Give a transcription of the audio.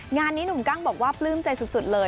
งานนี้หนุ่มกั้งบอกว่าปลื้มใจสุดเลย